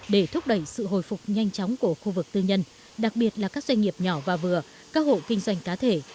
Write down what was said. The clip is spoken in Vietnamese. để thúc đẩy sự hồi phục nhanh chóng của khu vực tư nhân đặc biệt là các doanh nghiệp nhỏ và vừa các hộ kinh doanh cá thể